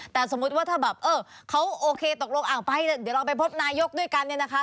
แต่สมมุติว่าถ้าแบบเออเขาโอเคตกลงไปเดี๋ยวเราไปพบนายกด้วยกันเนี่ยนะคะ